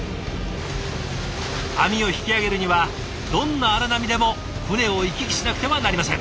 網を引き揚げるにはどんな荒波でも船を行き来しなくてはなりません。